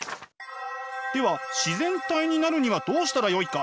では自然体になるにはどうしたらよいか？